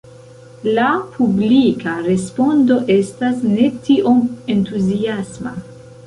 La publika respondo estas ne tiom entuziasma.